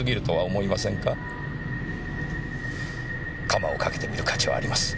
カマをかけてみる価値はあります。